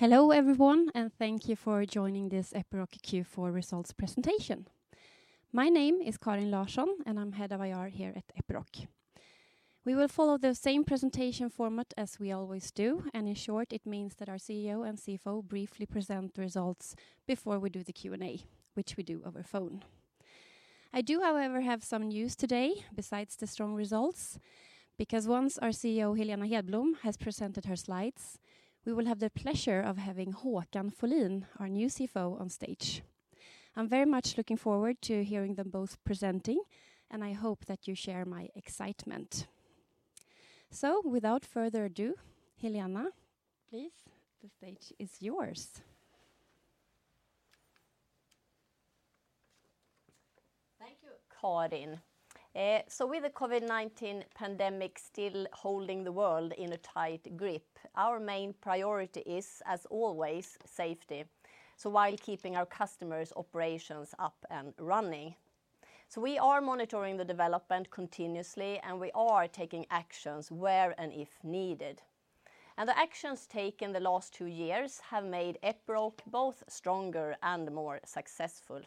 Hello, everyone, and thank you for joining this Epiroc Q4 results presentation. My name is Karin Larsson, and I'm Head of IR here at Epiroc. We will follow the same presentation format as we always do, and in short, it means that our CEO and CFO briefly present the results before we do the Q&A, which we do over phone. I do, however, have some news today besides the strong results, because once our CEO, Helena Hedblom, has presented her slides, we will have the pleasure of having Håkan Folin, our new CFO, on stage. I'm very much looking forward to hearing them both presenting, and I hope that you share my excitement. Without further ado, Helena, please, the stage is yours. Thank you, Karin. With the COVID-19 pandemic still holding the world in a tight grip, our main priority is, as always, safety, so while keeping our customers' operations up and running. We are monitoring the development continuously, and we are taking actions where and if needed. The actions taken the last two years have made Epiroc both stronger and more successful.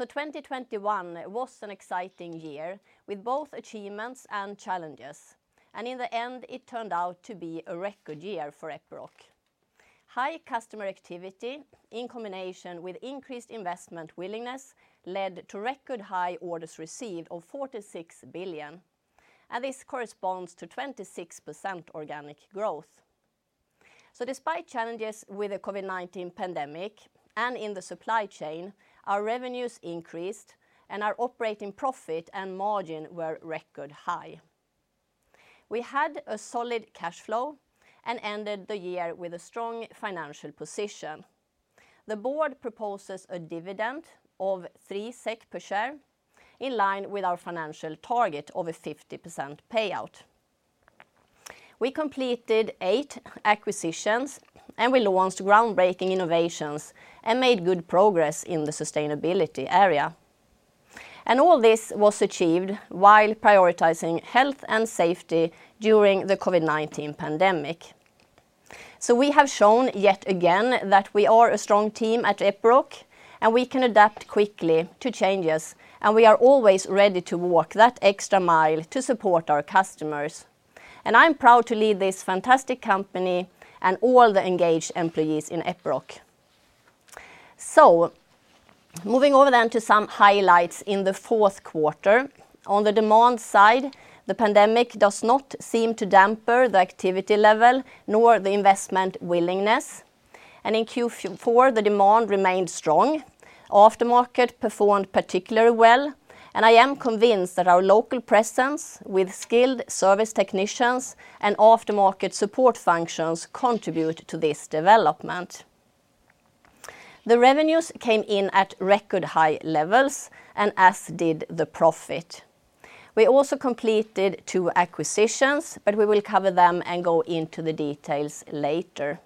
2021 was an exciting year with both achievements and challenges, and in the end, it turned out to be a record year for Epiroc. High customer activity in combination with increased investment willingness led to record high orders received of 46 billion, and this corresponds to 26% organic growth. Despite challenges with the COVID-19 pandemic and in the supply chain, our revenues increased, and our operating profit and margin were record high. We had a solid cash flow and ended the year with a strong financial position. The board proposes a dividend of 3 SEK per share in line with our financial target of a 50% payout. We completed eight acquisitions, and we launched groundbreaking innovations and made good progress in the sustainability area. All this was achieved while prioritizing health and safety during the COVID-19 pandemic. We have shown yet again that we are a strong team at Epiroc, and we can adapt quickly to changes, and we are always ready to walk that extra mile to support our customers. I'm proud to lead this fantastic company and all the engaged employees in Epiroc. Moving over then to some highlights in the fourth quarter. On the demand side, the pandemic does not seem to dampen the activity level nor the investment willingness. In Q4, the demand remained strong. Aftermarket performed particularly well, and I am convinced that our local presence with skilled service technicians and aftermarket support functions contribute to this development. The revenues came in at record high levels and as did the profit. We also completed two acquisitions, but we will cover them and go into the details later.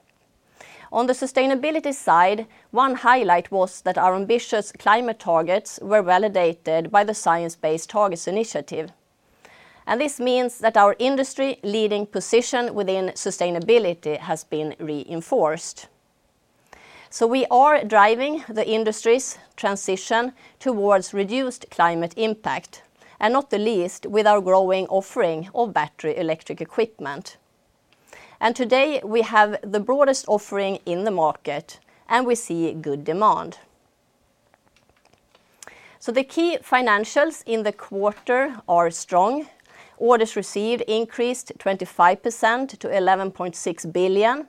On the sustainability side, one highlight was that our ambitious climate targets were validated by the Science Based Targets initiative. This means that our industry-leading position within sustainability has been reinforced. We are driving the industry's transition towards reduced climate impact, and not the least with our growing offering of battery electric equipment. Today, we have the broadest offering in the market, and we see good demand. The key financials in the quarter are strong. Orders received increased 25% to 11.6 billion,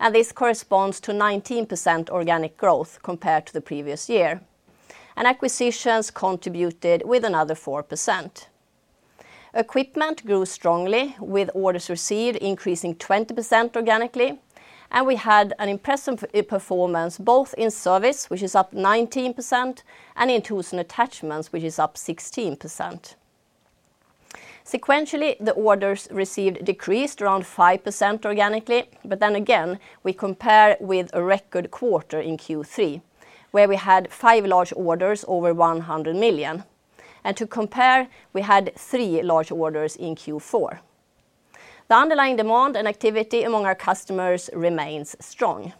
and this corresponds to 19% organic growth compared to the previous year. Acquisitions contributed with another 4%. Equipment grew strongly with orders received increasing 20% organically, and we had an impressive performance both in service, which is up 19%, and in Tools & Attachments, which is up 16%. Sequentially, the orders received decreased around 5% organically. We compare with a record quarter in Q3, where we had five large orders over 100 million. To compare, we had three large orders in Q4. The underlying demand and activity among our customers remains strong.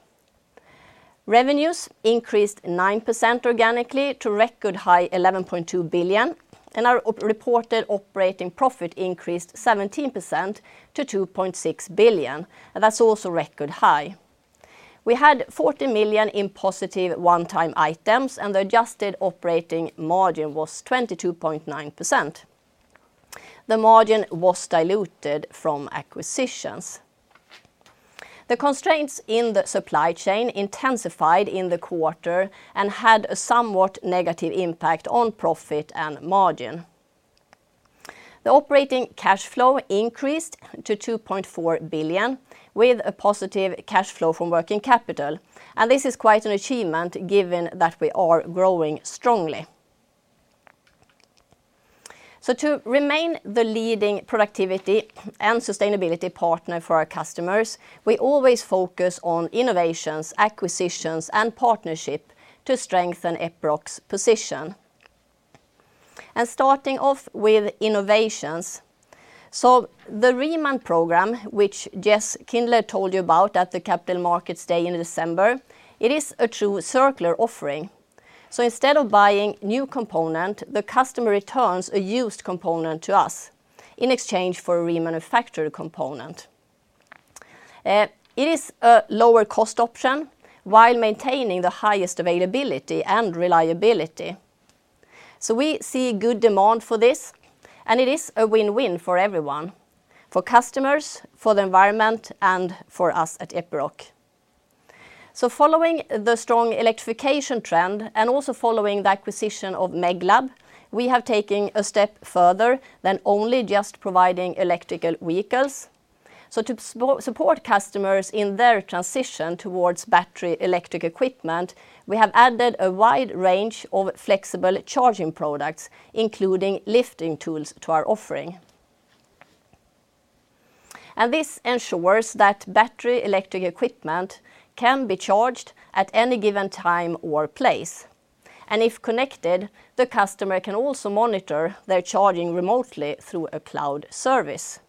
Revenues increased 9% organically to record high 11.2 billion, and our IFRS-reported operating profit increased 17% to 2.6 billion. That's also record high. We had 40 million in positive one-time items, and the adjusted operating margin was 22.9%. The margin was diluted from acquisitions. The constraints in the supply chain intensified in the quarter and had a somewhat negative impact on profit and margin. The operating cash flow increased to 2.4 billion with a positive cash flow from working capital. This is quite an achievement given that we are growing strongly. To remain the leading productivity and sustainability partner for our customers, we always focus on innovations, acquisitions, and partnership to strengthen Epiroc's position. Starting off with innovations. The Reman program, which Jess Kindler told you about at the Capital Markets Day in December, it is a true circular offering. Instead of buying new component, the customer returns a used component to us in exchange for a remanufactured component. It is a lower cost option while maintaining the highest availability and reliability. We see good demand for this, and it is a win-win for everyone, for customers, for the environment, and for us at Epiroc. Following the strong electrification trend and also following the acquisition of Meglab, we have taken a step further than only just providing electrical vehicles. To support customers in their transition towards battery electric equipment, we have added a wide range of flexible charging products, including lifting tools to our offering. This ensures that battery electric equipment can be charged at any given time or place. If connected, the customer can also monitor their charging remotely through a cloud service.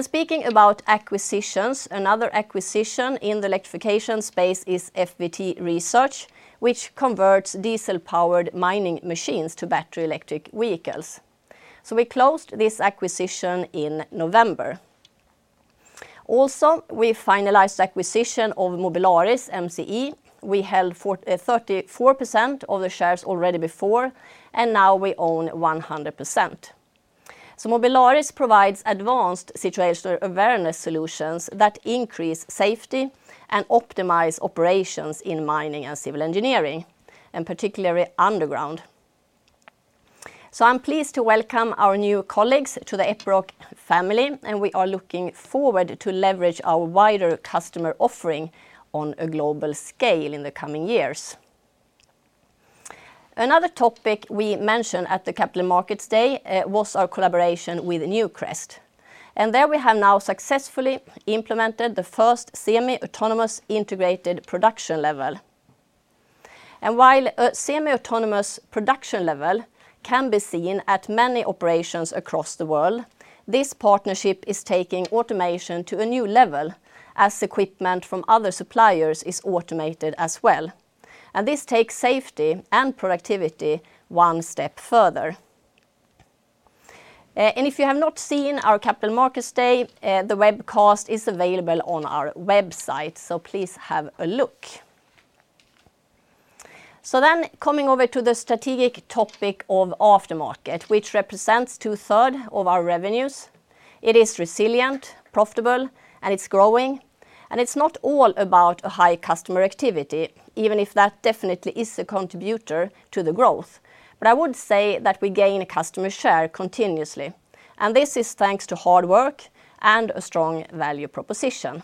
Speaking about acquisitions, another acquisition in the electrification space is FVT Research, which converts diesel-powered mining machines to battery electric vehicles. We closed this acquisition in November. We finalized the acquisition of Mobilaris MCE. We held 34% of the shares already before, and now we own 100%. Mobilaris provides advanced situational awareness solutions that increase safety and optimize operations in mining and civil engineering, and particularly underground. I'm pleased to welcome our new colleagues to the Epiroc family, and we are looking forward to leverage our wider customer offering on a global scale in the coming years. Another topic we mentioned at the Capital Markets Day was our collaboration with Newcrest. There we have now successfully implemented the first semi-autonomous integrated production level. While a semi-autonomous production level can be seen at many operations across the world, this partnership is taking automation to a new level as equipment from other suppliers is automated as well. This takes safety and productivity one step further. If you have not seen our Capital Markets Day, the webcast is available on our website. Please have a look. Coming over to the strategic topic of aftermarket, which represents 2/3 of our revenues. It is resilient, profitable, and it's growing. It's not all about a high customer activity, even if that definitely is a contributor to the growth. I would say that we gain a customer share continuously, and this is thanks to hard work and a strong value proposition.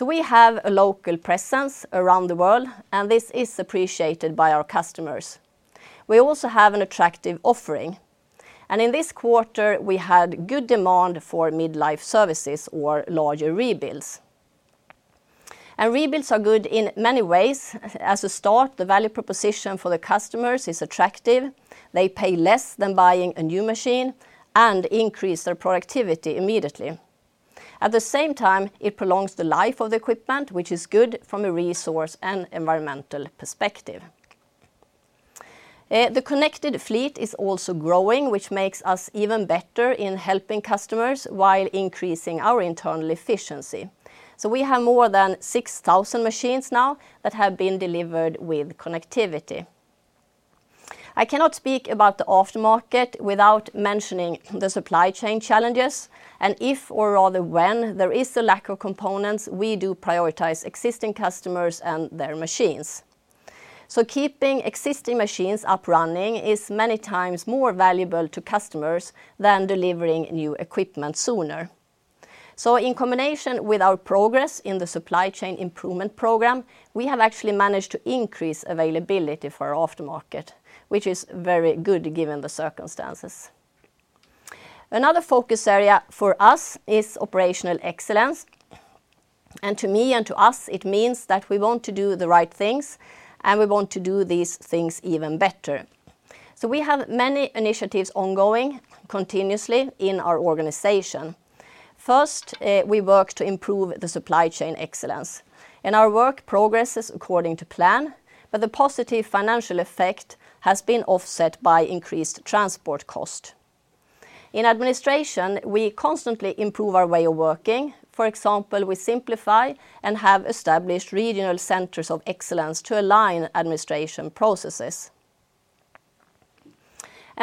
We have a local presence around the world, and this is appreciated by our customers. We also have an attractive offering. In this quarter, we had good demand for midlife services or larger rebuilds. Rebuilds are good in many ways. As a start, the value proposition for the customers is attractive. They pay less than buying a new machine and increase their productivity immediately. At the same time, it prolongs the life of the equipment, which is good from a resource and environmental perspective. The connected fleet is also growing, which makes us even better in helping customers while increasing our internal efficiency. We have more than 6,000 machines now that have been delivered with connectivity. I cannot speak about the aftermarket without mentioning the supply chain challenges. If or rather when there is a lack of components, we do prioritize existing customers and their machines. Keeping existing machines up running is many times more valuable to customers than delivering new equipment sooner. In combination with our progress in the supply chain improvement program, we have actually managed to increase availability for our aftermarket, which is very good given the circumstances. Another focus area for us is operational excellence. To me and to us, it means that we want to do the right things and we want to do these things even better. We have many initiatives ongoing continuously in our organization. First, we work to improve the supply chain excellence, and our work progresses according to plan, but the positive financial effect has been offset by increased transport cost. In administration, we constantly improve our way of working. For example, we simplify and have established regional centers of excellence to align administration processes.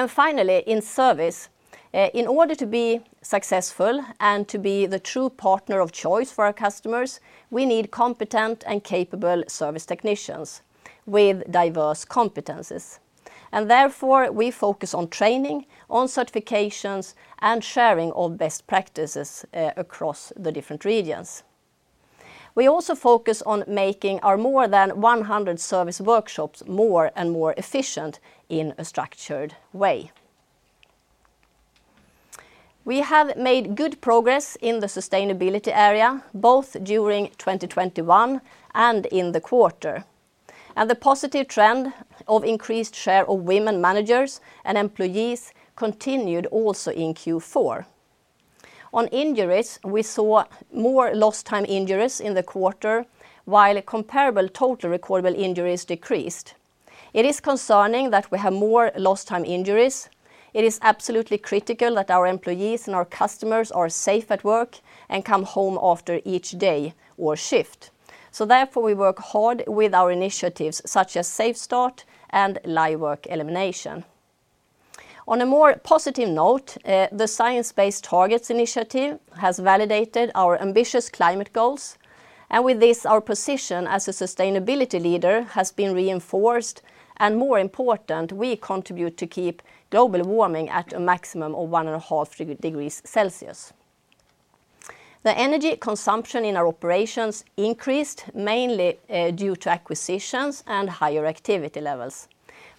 Finally, in service, in order to be successful and to be the true partner of choice for our customers, we need competent and capable service technicians with diverse competencies. Therefore, we focus on training, on certifications, and sharing of best practices across the different regions. We also focus on making our more than 100 service workshops more and more efficient in a structured way. We have made good progress in the sustainability area, both during 2021 and in the quarter. The positive trend of increased share of women managers and employees continued also in Q4. On injuries, we saw more lost time injuries in the quarter, while comparable total recordable injuries decreased. It is concerning that we have more lost time injuries. It is absolutely critical that our employees and our customers are safe at work and come home after each day or shift. Therefore, we work hard with our initiatives such as SafeStart and Live Work Elimination. On a more positive note, the Science Based Targets initiative has validated our ambitious climate goals, and with this, our position as a sustainability leader has been reinforced. More important, we contribute to keep global warming at a maximum of 1.5 degrees Celsius. The energy consumption in our operations increased mainly due to acquisitions and higher activity levels.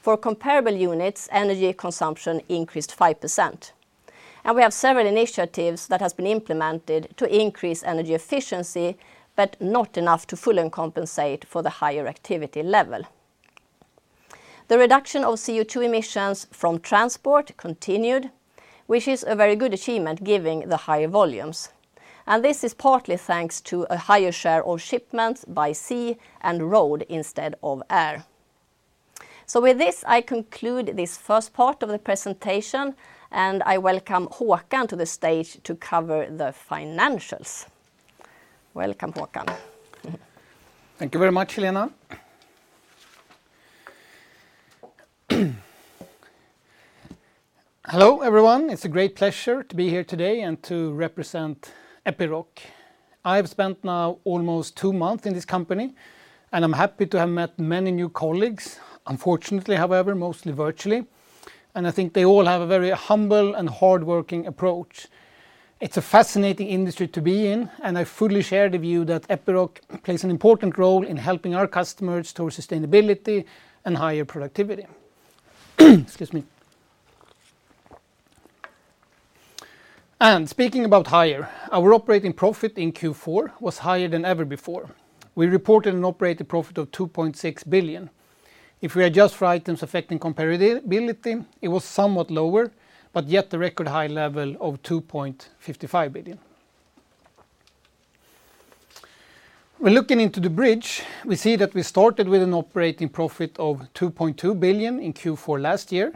For comparable units, energy consumption increased 5%, and we have several initiatives that has been implemented to increase energy efficiency, but not enough to fully compensate for the higher activity level. The reduction of CO2 emissions from transport continued, which is a very good achievement given the higher volumes. This is partly thanks to a higher share of shipments by sea and road instead of air. With this, I conclude this first part of the presentation, and I welcome Håkan to the stage to cover the financials. Welcome, Håkan. Thank you very much, Helena. Hello, everyone. It's a great pleasure to be here today and to represent Epiroc. I have spent now almost two months in this company, and I'm happy to have met many new colleagues. Unfortunately, however, mostly virtually, and I think they all have a very humble and hardworking approach. It's a fascinating industry to be in, and I fully share the view that Epiroc plays an important role in helping our customers towards sustainability and higher productivity. Excuse me. Speaking about higher, our operating profit in Q4 was higher than ever before. We reported an operating profit of 2.6 billion. If we adjust for items affecting comparability, it was somewhat lower, but yet the record high level of 2.55 billion. When looking into the bridge, we see that we started with an operating profit of 2.2 billion in Q4 last year,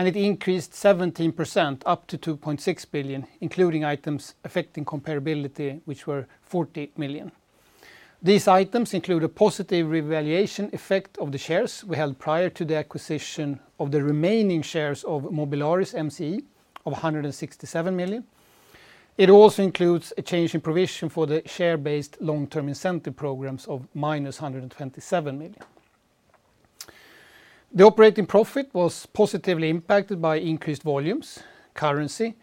and it increased 17% up to 2.6 billion, including items affecting comparability, which were 40 million. These items include a positive revaluation effect of the shares we held prior to the acquisition of the remaining shares of Mobilaris MCE of 167 million. It also includes a change in provision for the share-based long-term incentive programs of -127 million. The operating profit was positively impacted by increased volumes, currency,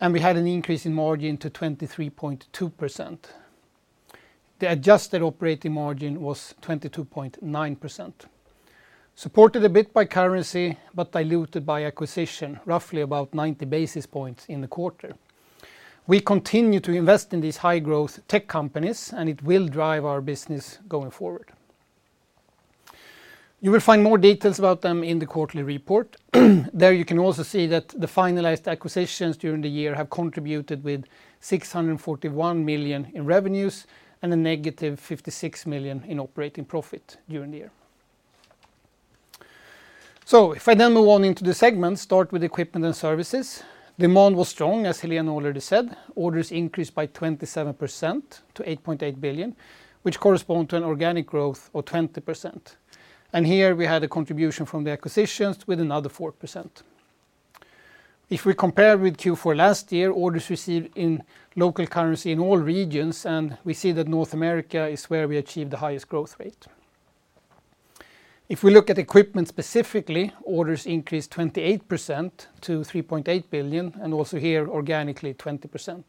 and we had an increase in margin to 23.2%. The adjusted operating margin was 22.9%. Supported a bit by currency, but diluted by acquisition, roughly about 90 basis points in the quarter. We continue to invest in these high-growth tech companies, and it will drive our business going forward. You will find more details about them in the quarterly report. There you can also see that the finalized acquisitions during the year have contributed with 641 million in revenues and -56 million in operating profit during the year. If I then move on into the segment, start with Equipment & Service. Demand was strong, as Helena already said. Orders increased by 27% to 8.8 billion, which correspond to an organic growth of 20%. Here we had a contribution from the acquisitions with another 4%. If we compare with Q4 last year, orders received in local currency in all regions, and we see that North America is where we achieved the highest growth rate. If we look at equipment specifically, orders increased 28% to 3.8 billion, and also here organically 20%.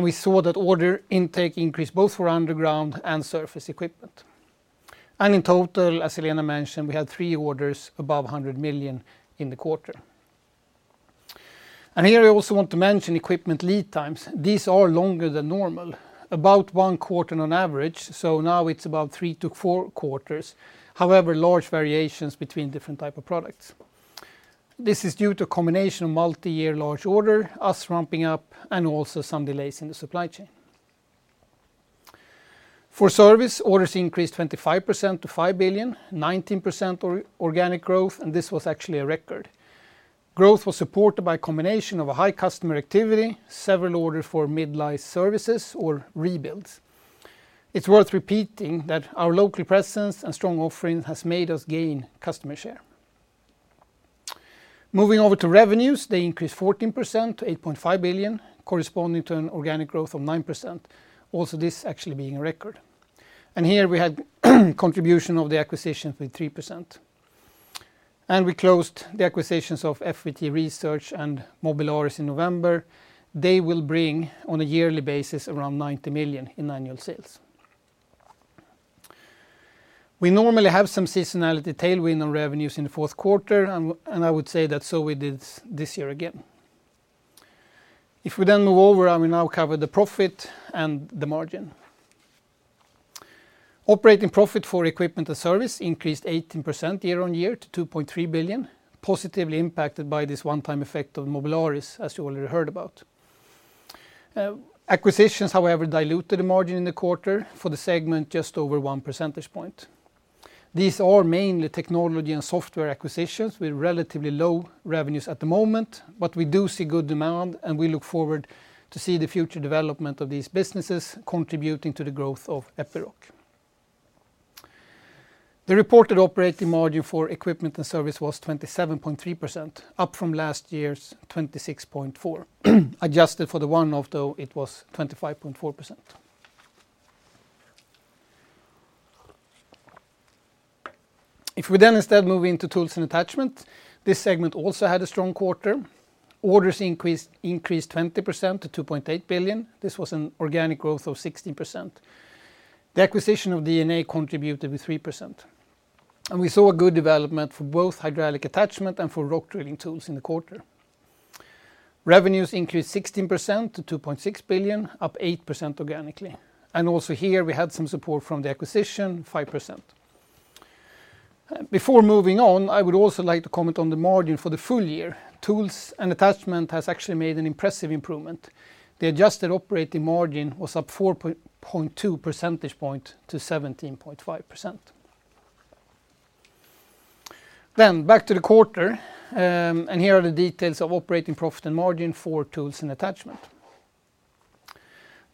We saw that order intake increased both for underground and surface equipment. In total, as Helena mentioned, we had three orders above 100 million in the quarter. Here I also want to mention equipment lead times. These are longer than normal, about one quarter on average, so now it's about three to four quarters. However, large variations between different type of products. This is due to a combination of multi-year large order, us ramping up, and also some delays in the supply chain. For service, orders increased 25% to 5 billion, 19% organic growth, and this was actually a record. Growth was supported by a combination of a high customer activity, several orders for midlife services or rebuilds. It's worth repeating that our local presence and strong offering has made us gain customer share. Moving over to revenues, they increased 14% to 8.5 billion, corresponding to an organic growth of 9%. Also, this actually being a record. Here we had contribution of the acquisitions with 3%. We closed the acquisitions of FVT Research and Mobilaris in November. They will bring on a yearly basis around 90 million in annual sales. We normally have some seasonality tailwind on revenues in the fourth quarter, and I would say that so we did this year again. If we then move over, I will now cover the profit and the margin. Operating profit for Equipment & Service increased 18% year-on-year to 2.3 billion, positively impacted by this one-time effect of Mobilaris, as you already heard about. Acquisitions, however, diluted the margin in the quarter for the segment just over 1 percentage point. These are mainly technology and software acquisitions with relatively low revenues at the moment, but we do see good demand, and we look forward to see the future development of these businesses contributing to the growth of Epiroc. The reported operating margin for Equipment & Service was 27.3%, up from last year's 26.4%. Adjusted for the one-off, though, it was 25.4%. If we then instead move into Tools & Attachments, this segment also had a strong quarter. Orders increased 20% to 2.8 billion. This was an organic growth of 16%. The acquisition of D&A contributed 3%. We saw a good development for both hydraulic attachment and for rock drilling tools in the quarter. Revenues increased 16% to 2.6 billion, up 8% organically. We also had some support from the acquisition, 5%. Before moving on, I would also like to comment on the margin for the full year. Tools & Attachments has actually made an impressive improvement. The adjusted operating margin was up 4.2 percentage points to 17.5%. Back to the quarter, here are the details of operating profit and margin for Tools & Attachments.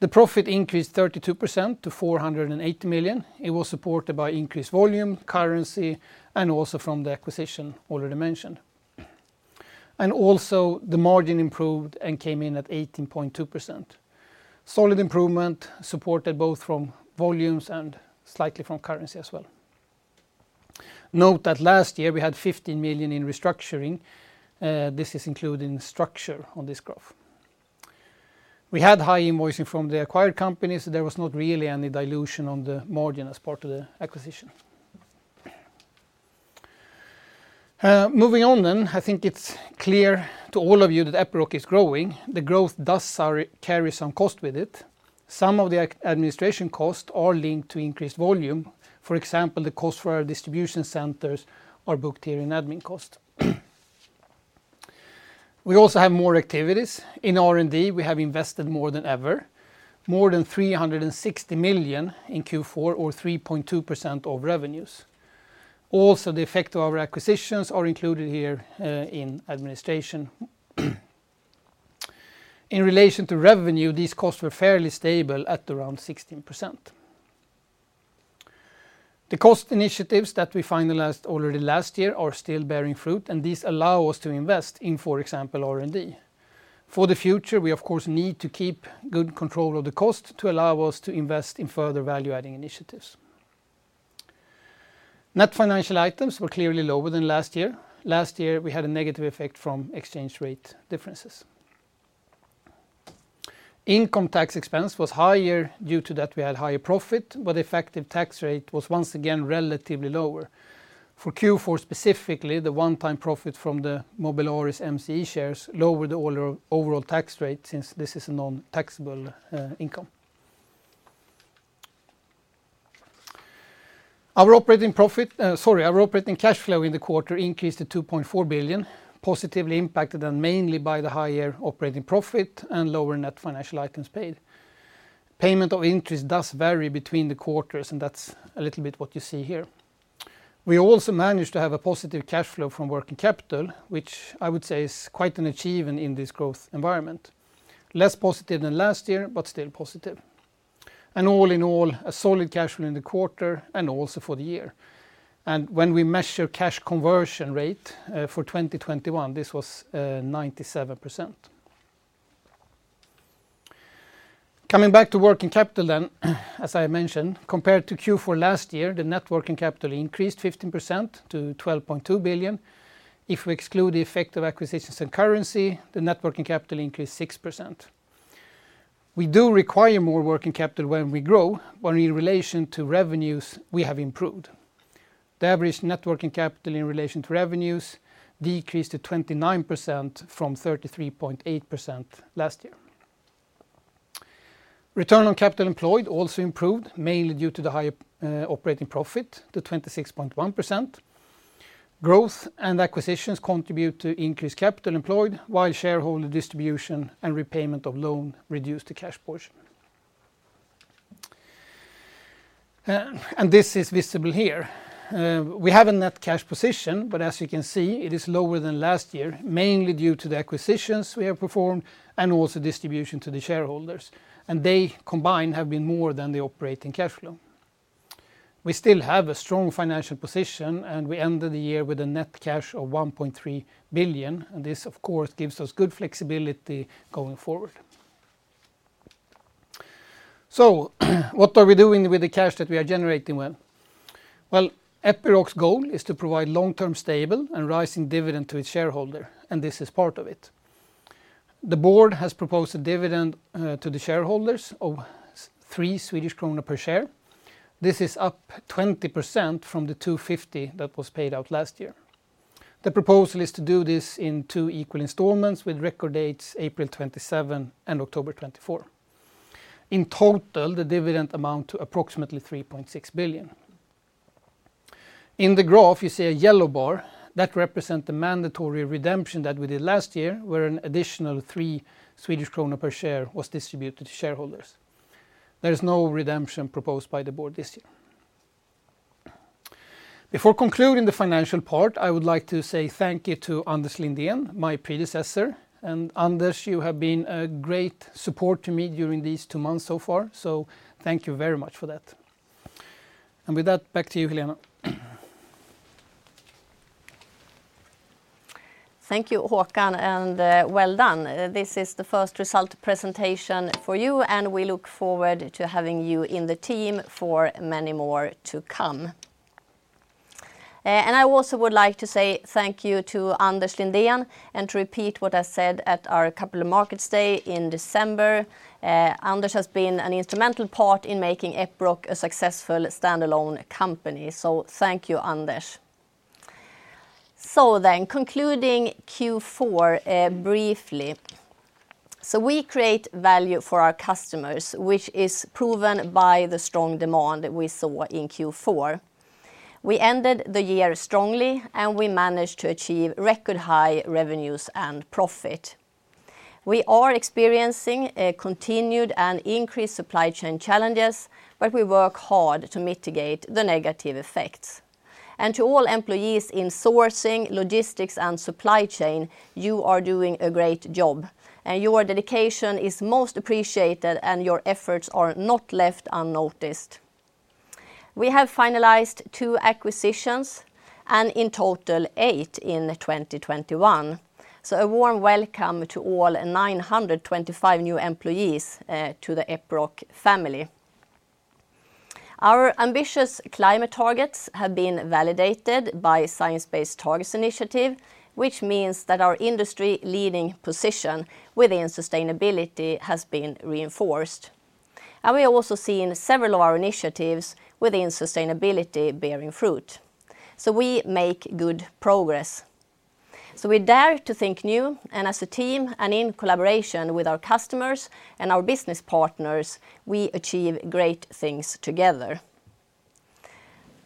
The profit increased 32% to 480 million. It was supported by increased volume, currency, and also from the acquisition already mentioned. The margin improved and came in at 18.2%. Solid improvement supported both from volumes and slightly from currency as well. Note that last year we had 15 million in restructuring. This is including restructuring on this graph. We had high invoicing from the acquired companies. There was not really any dilution on the margin as part of the acquisition. Moving on then, I think it's clear to all of you that Epiroc is growing. The growth does carry some cost with it. Some of the administration costs are linked to increased volume. For example, the cost for our distribution centers are booked here in admin cost. We also have more activities. In R&D, we have invested more than ever, more than 360 million in Q4 or 3.2% of revenues. Also, the effect of our acquisitions are included here in administration. In relation to revenue, these costs were fairly stable at around 16%. The cost initiatives that we finalized already last year are still bearing fruit, and these allow us to invest in, for example, R&D. For the future, we of course need to keep good control of the cost to allow us to invest in further value-adding initiatives. Net financial items were clearly lower than last year. Last year, we had a negative effect from exchange rate differences. Income tax expense was higher due to that we had higher profit, but effective tax rate was once again relatively lower. For Q4, specifically, the one-time profit from the Mobilaris MCE shares lowered the overall tax rate since this is a non-taxable income. Our operating cash flow in the quarter increased to 2.4 billion, positively impacted mainly by the higher operating profit and lower net financial items paid. Payment of interest does vary between the quarters, and that's a little bit what you see here. We also managed to have a positive cash flow from working capital, which I would say is quite an achievement in this growth environment. Less positive than last year, but still positive. All in all, a solid cash flow in the quarter and also for the year. When we measure cash conversion rate for 2021, this was 97%. Coming back to working capital then, as I mentioned, compared to Q4 last year, the net working capital increased 15% to 12.2 billion. If we exclude the effect of acquisitions and currency, the net working capital increased 6%. We do require more working capital when we grow, but in relation to revenues, we have improved. The average net working capital in relation to revenues decreased to 29% from 33.8% last year. Return on capital employed also improved, mainly due to the high operating profit to 26.1%. Growth and acquisitions contribute to increased capital employed while shareholder distribution and repayment of loan reduced the cash portion. This is visible here. We have a net cash position, but as you can see, it is lower than last year, mainly due to the acquisitions we have performed and also distribution to the shareholders. They combined have been more than the operating cash flow. We still have a strong financial position, and we ended the year with a net cash of 1.3 billion. This of course gives us good flexibility going forward. What are we doing with the cash that we are generating with? Well, Epiroc's goal is to provide long-term stable and rising dividend to its shareholder, and this is part of it. The board has proposed a dividend to the shareholders of 3 Swedish kronor per share. This is up 20% from the 2.50 that was paid out last year. The proposal is to do this in two equal installments with record dates April 27 and October 24. In total, the dividend amount to approximately 3.6 billion. In the graph, you see a yellow bar that represent the mandatory redemption that we did last year, where an additional 3 Swedish krona per share was distributed to shareholders. There is no redemption proposed by the board this year. Before concluding the financial part, I would like to say thank you to Anders Lindén, my predecessor. Anders, you have been a great support to me during these two months so far, so thank you very much for that. With that, back to you, Helena. Thank you, Håkan, and well done. This is the first result presentation for you, and we look forward to having you in the team for many more to come. I also would like to say thank you to Anders Lindén, and to repeat what I said at our Capital Markets Day in December. Anders has been an instrumental part in making Epiroc a successful standalone company. Thank you, Anders. Concluding Q4 briefly. We create value for our customers, which is proven by the strong demand we saw in Q4. We ended the year strongly, and we managed to achieve record high revenues and profit. We are experiencing a continued and increased supply chain challenges, but we work hard to mitigate the negative effects. To all employees in sourcing, logistics, and supply chain, you are doing a great job, and your dedication is most appreciated, and your efforts are not left unnoticed. We have finalized two acquisitions and in total eight in 2021. A warm welcome to all 925 new employees to the Epiroc family. Our ambitious climate targets have been validated by Science Based Targets initiative, which means that our industry leading position within sustainability has been reinforced. We also seen several of our initiatives within sustainability bearing fruit. We make good progress. We dare to think new and as a team and in collaboration with our customers and our business partners, we achieve great things together.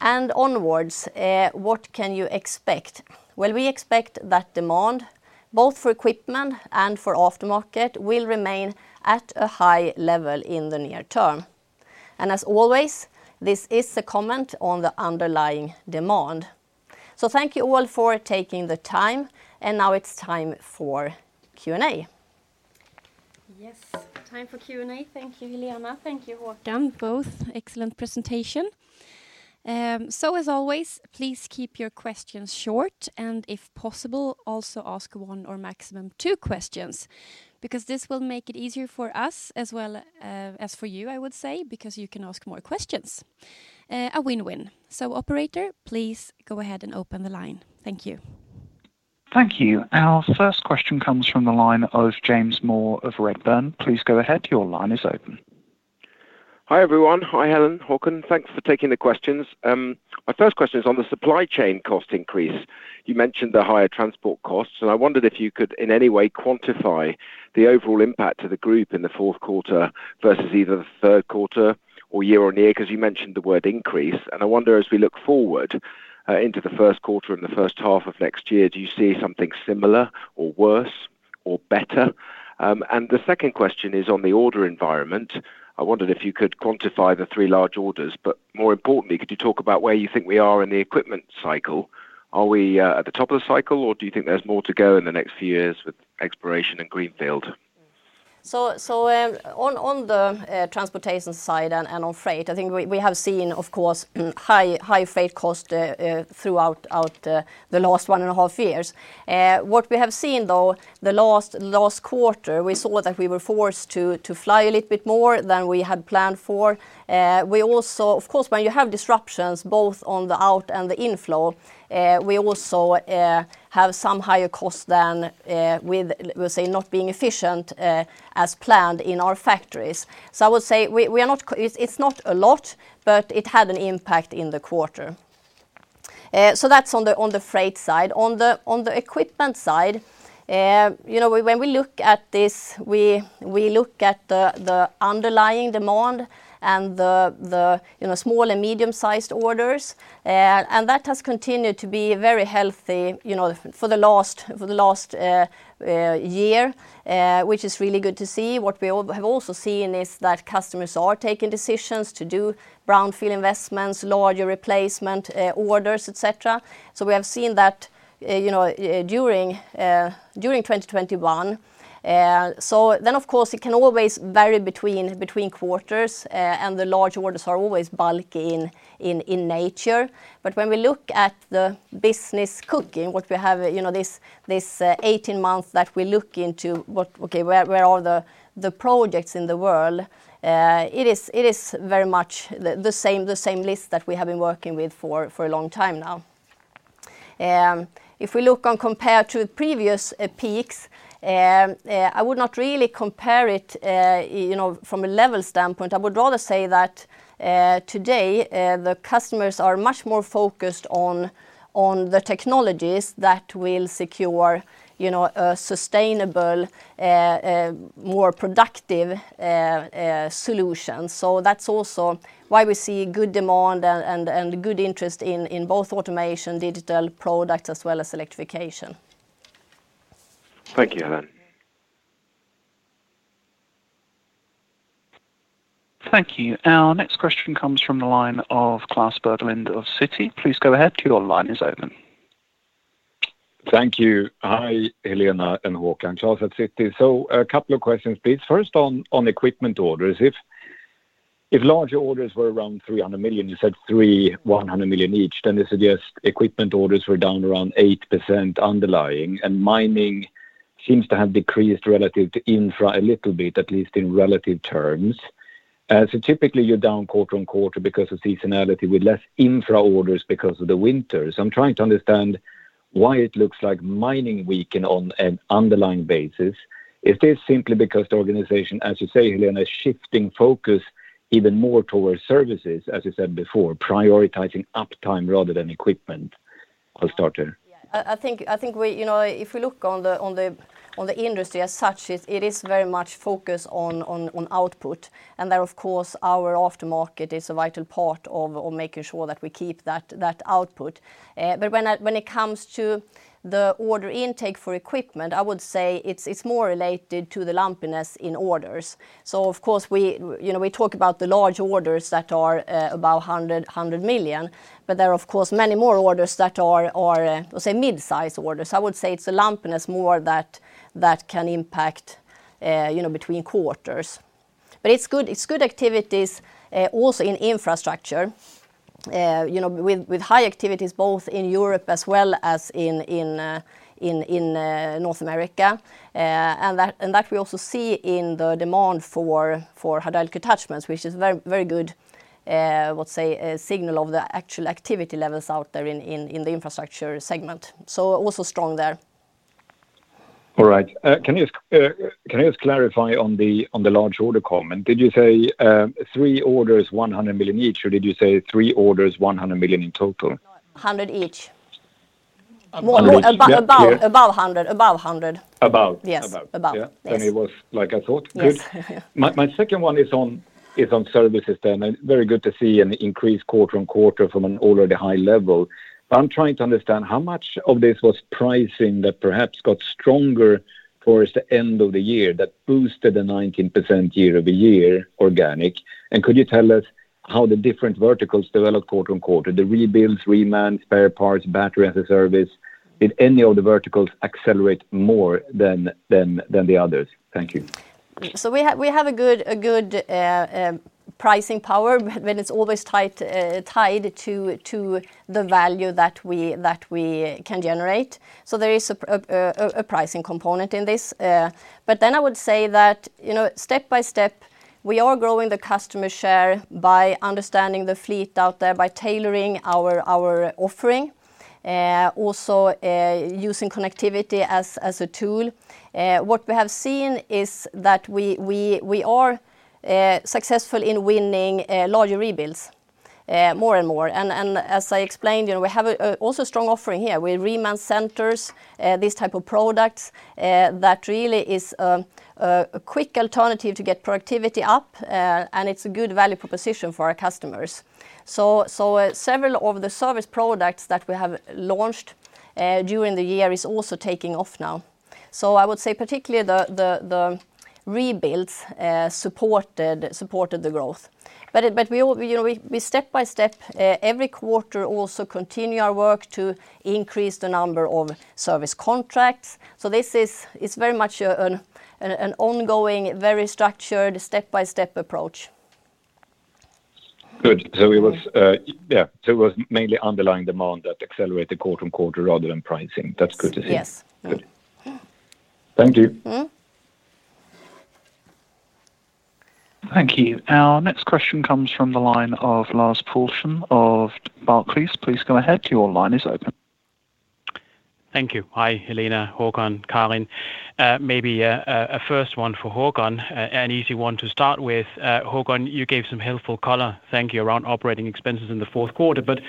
Onwards, what can you expect? Well, we expect that demand both for equipment and for aftermarket will remain at a high level in the near term. As always, this is a comment on the underlying demand. Thank you all for taking the time, and now it's time for Q&A. Yes. Time for Q&A. Thank you, Helena. Thank you, Håkan. Both excellent presentation. As always, please keep your questions short, and if possible, also ask one or maximum two questions, because this will make it easier for us as well, as for you, I would say, because you can ask more questions. A win-win. Operator, please go ahead and open the line. Thank you. Thank you. Our first question comes from the line of James Moore of Redburn. Please go ahead. Your line is open. Hi, everyone. Hi, Helena, Håkan. Thanks for taking the questions. My first question is on the supply chain cost increase. You mentioned the higher transport costs, and I wondered if you could in any way quantify the overall impact to the group in the fourth quarter versus either the third quarter or year on year, because you mentioned the word increase. I wonder, as we look forward, into the first quarter and the first half of next year, do you see something similar or worse or better? The second question is on the order environment. I wondered if you could quantify the three large orders, but more importantly, could you talk about where you think we are in the equipment cycle? Are we at the top of the cycle, or do you think there's more to go in the next few years with exploration in greenfield? On the transportation side and on freight, I think we have seen, of course, high freight cost throughout the last one and a half years. What we have seen, though, the last quarter, we saw that we were forced to fly a little bit more than we had planned for. We also, of course, when you have disruptions both on the out and the inflow, we also have some higher cost than with, let's say, not being efficient as planned in our factories. I would say it's not a lot, but it had an impact in the quarter. That's on the freight side. On the equipment side, you know, when we look at this, we look at the underlying demand and the small and medium-sized orders, you know. That has continued to be very healthy, you know, for the last year, which is really good to see. What we have also seen is that customers are taking decisions to do brownfield investments, larger replacement orders, et cetera. We have seen that, you know, during 2021. Of course, it can always vary between quarters, and the large orders are always bulky in nature. When we look at the business bookings, what we have, you know, this 18 months that we look into, where are the projects in the world, it is very much the same list that we have been working with for a long time now. If we look compared to previous peaks, I would not really compare it, you know, from a level standpoint. I would rather say that today the customers are much more focused on the technologies that will secure, you know, a sustainable, more productive solution. That's also why we see good demand and good interest in both automation, digital products, as well as electrification. Thank you, Helena. Thank you. Our next question comes from the line of Klas Bergelind of Citi. Please go ahead, your line is open. Thank you. Hi, Helena and Håkan. Klas Bergelind at Citi. A couple of questions, please. First on equipment orders. If larger orders were around 300 million, you said three, 100 million each, then this suggests equipment orders were down around 8% underlying, and mining seems to have decreased relative to infra a little bit, at least in relative terms. Typically, you're down quarter-on-quarter because of seasonality with less infra orders because of the winters. I'm trying to understand why it looks like mining weakened on an underlying basis. Is this simply because the organization, as you say, Helena, is shifting focus even more towards services, as you said before, prioritizing uptime rather than equipment? I'll start there. Yeah. I think you know, if we look on the industry as such, it is very much focused on output. There, of course, our aftermarket is a vital part of making sure that we keep that output. But when it comes to the order intake for equipment, I would say it's more related to the lumpiness in orders. Of course, you know, we talk about the large orders that are about 100 million. There are, of course, many more orders that are say midsize orders. I would say it's the lumpiness more that can impact you know, between quarters. It's good. It's good activities also in infrastructure, you know, with high activities both in Europe as well as in North America. And that we also see in the demand for hydraulic attachments, which is very good, let's say, a signal of the actual activity levels out there in the infrastructure segment. Also strong there. All right. Can you just clarify on the large order comment? Did you say three orders, 100 million each, or did you say three orders, 100 million in total? 100 each. About each. Yeah. about 100. About? Yes. About. About. Yes. Yeah. It was like I thought. Yes. Good. My second one is on services then. Very good to see an increase quarter-on-quarter from an already high level. I'm trying to understand how much of this was pricing that perhaps got stronger towards the end of the year that boosted the 19% year-over-year organic. Could you tell us how the different verticals developed quarter-on-quarter? The rebuilds, Remans, spare parts, Battery as a Service. Did any of the verticals accelerate more than the others? Thank you. We have a good pricing power, but it's always tied to the value that we can generate. There is a pricing component in this. But then I would say that, you know, step by step, we are growing the customer share by understanding the fleet out there, by tailoring our offering, also using connectivity as a tool. What we have seen is that we are successful in winning larger rebuilds more and more. As I explained, you know, we have a strong offering here also. We have Reman centers, these type of products that really is a quick alternative to get productivity up, and it's a good value proposition for our customers. Several of the service products that we have launched during the year is also taking off now. I would say particularly the rebuilds supported the growth. We all step by step every quarter also continue our work to increase the number of service contracts. This is very much an ongoing, very structured step-by-step approach. Good. It was mainly underlying demand that accelerated quarter-over-quarter rather than pricing. That's good to see. Yes. Good. Thank you. Mm-hmm. Thank you. Our next question comes from the line of Lars Brorson of Barclays. Please go ahead, your line is open. Thank you. Hi, Helena, Håkan, Karin. Maybe a first one for Håkan, an easy one to start with. Håkan, you gave some helpful color, thank you, around operating expenses in the fourth quarter, but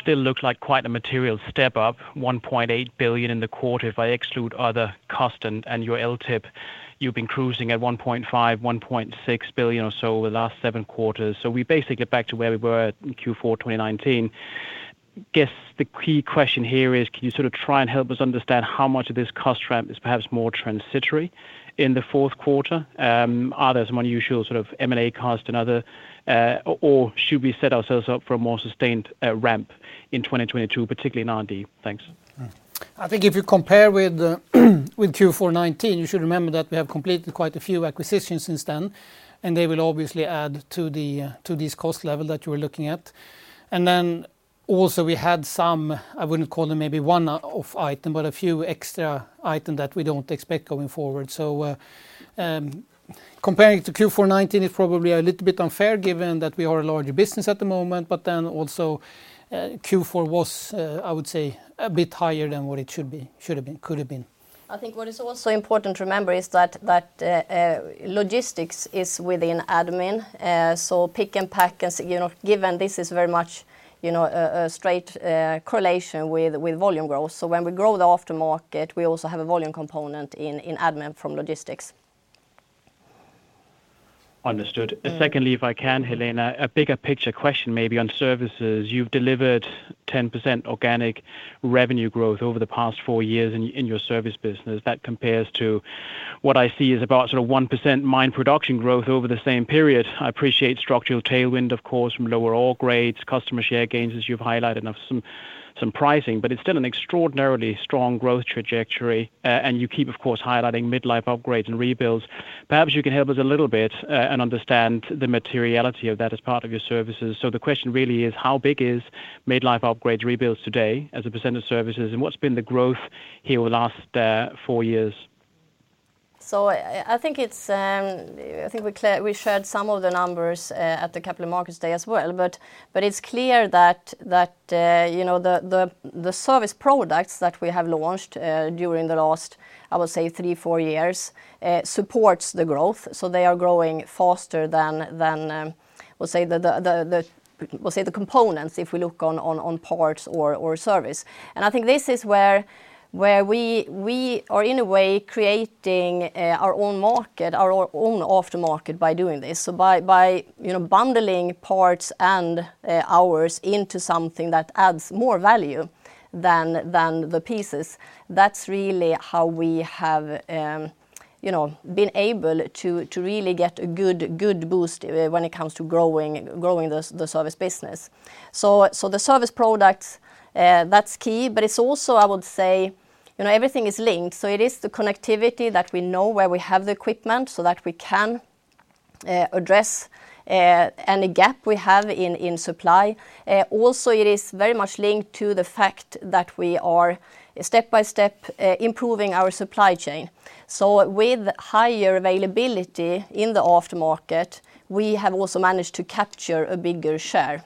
still looks like quite a material step up, 1.8 billion in the quarter. If I exclude other cost and your LTIP, you've been cruising at 1.5, 1.6 billion or so over the last seven quarters. We basically get back to where we were at in Q4 2019. The key question here is, can you sort of try and help us understand how much of this cost ramp is perhaps more transitory in the fourth quarter? Are there some unusual sort of M&A cost other, or should we set ourselves up for a more sustained ramp in 2022, particularly in R&D? Thanks. Mm-hmm. I think if you compare with Q4 2019, you should remember that we have completed quite a few acquisitions since then, and they will obviously add to this cost level that you are looking at. Also, we had some, I wouldn't call them maybe one-off item, but a few extra item that we don't expect going forward. Comparing to Q4 2019, it probably a little bit unfair given that we are a larger business at the moment, but then also, Q4 was, I would say a bit higher than what it should be, should have been, could have been. I think what is also important to remember is that logistics is within admin. Pick-and-pack is, you know, given this is very much, you know, a straight correlation with volume growth. When we grow the aftermarket, we also have a volume component in admin from logistics. Understood. Mm. Secondly, if I can, Helena, a bigger picture question maybe on services. You've delivered 10% organic revenue growth over the past four years in your service business. That compares to what I see is about sort of 1% mine production growth over the same period. I appreciate structural tailwind, of course, from lower ore grades, customer share gains, as you've highlighted, and of some pricing. But it's still an extraordinarily strong growth trajectory. And you keep, of course, highlighting midlife upgrades and rebuilds. Perhaps you can help us a little bit and understand the materiality of that as part of your services. So the question really is. How big is midlife upgrades, rebuilds today as a percent of services, and what's been the growth here over the last four years? We shared some of the numbers at the Capital Markets Day as well. It's clear that the service products that we have launched during the last, I would say three or four years, supports the growth. They are growing faster than the components if we look at parts or service. I think this is where we are in a way creating our own market, our own aftermarket by doing this. By you know bundling parts and hours into something that adds more value than the pieces, that's really how we have you know been able to really get a good boost when it comes to growing the service business. The service products, that's key. It's also, I would say, you know, everything is linked, so it is the connectivity that we know where we have the equipment so that we can address any gap we have in supply. Also, it is very much linked to the fact that we are step-by-step improving our supply chain. With higher availability in the aftermarket, we have also managed to capture a bigger share.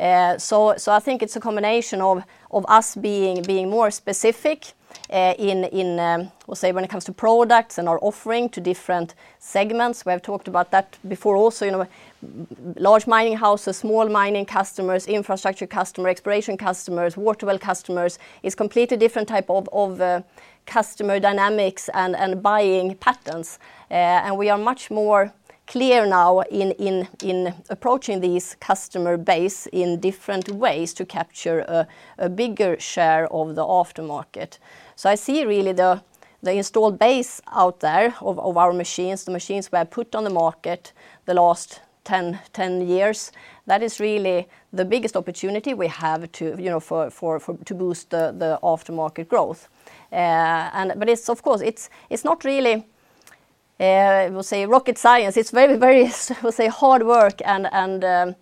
I think it's a combination of us being more specific in we'll say when it comes to products and our offering to different segments. We have talked about that before also, you know, large mining houses, small mining customers, infrastructure customer, exploration customers, water well customers is completely different type of customer dynamics and buying patterns. We are much more clear now in approaching these customer base in different ways to capture a bigger share of the aftermarket. I see really the installed base out there of our machines, the machines we have put on the market the last 10 years. That is really the biggest opportunity we have to, you know, boost the aftermarket growth. It's not really, we'll say, rocket science. It's very, we'll say, hard work and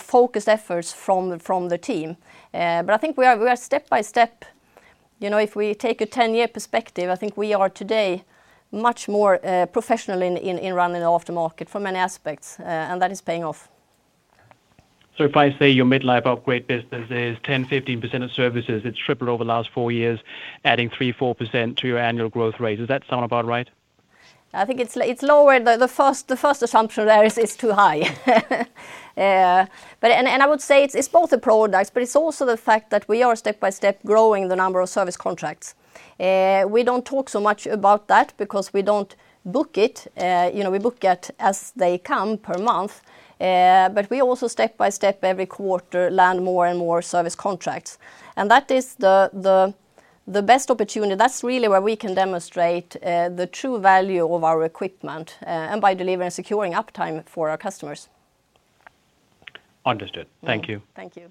focused efforts from the team. I think we are step-by-step. You know, if we take a 10-year perspective, I think we are today much more professional in running the aftermarket from many aspects, and that is paying off. If I say your midlife upgrade business is 10%-15% of services, it's tripled over the last four years, adding 3%-4% to your annual growth rate. Does that sound about right? I think it's lower. The first assumption there is too high. But I would say it's both the products, but it's also the fact that we are step-by-step growing the number of service contracts. We don't talk so much about that because we don't book it. You know, we book it as they come per month. But we also step-by-step every quarter land more and more service contracts. That is the best opportunity. That's really where we can demonstrate the true value of our equipment and by delivering and securing uptime for our customers. Understood. Thank you. Thank you.